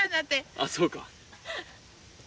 ああ、そうか。